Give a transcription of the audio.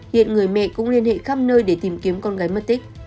hiện người mẹ cũng liên hệ khắp nơi để tìm kiếm con gái mất tích